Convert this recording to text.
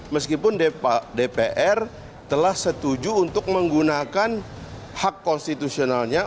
meskipun dpr telah setuju untuk menggunakan hak konstitusionalnya